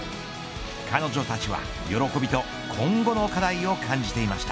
彼女たちは喜びと今後の課題を感じていました。